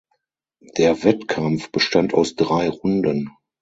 Der Wettkampf bestand aus drei Runden.